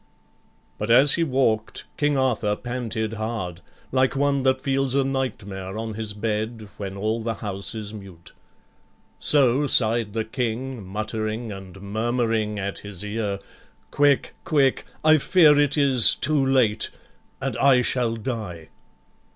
But, as he walk'd, King Arthur panted hard, Like one that feels a nightmare on his bed When all the house is mute. So sigh'd the King, Muttering and murmuring at his ear, "Quick, quick! I fear it is too late, and I shall die."